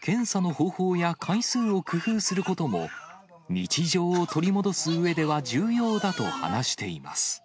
検査の方法や回数を工夫することも、日常を取り戻すうえでは重要だと話しています。